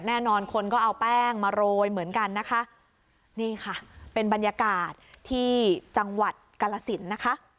แน่นอนคนก็เอาแป้งมาโรยเหมือนกันนะคะนี่ค่ะเป็นบรรยากาศที่จังหวัดกรสินนะคะ